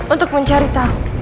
untuk mencari tahu